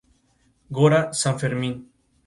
El arquetipo de estos personajes es Judy Garland.